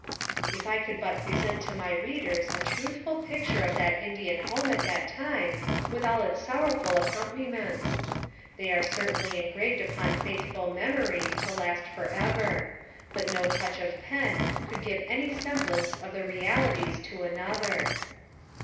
If I could but present to my readers a truthful pic ture of that Indian home at that time, with all its sorrowful accompaniments ! They are certainly en graved upon faithful memory, to last forever; but no touch of pen could give any semblance of the realities to another.